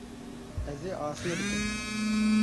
Ez ê asê bikim.